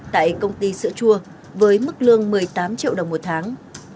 tại công ty sữa chua với mức lương một mươi tám triệu đồng một tháng